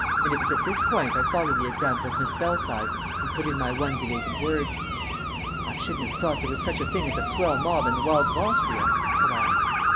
And it was at this point I followed the example of Miss Belsize and put in my one belated word. "I shouldn't have thought there was such a thing as a swell mob in the wilds of Austria," said I.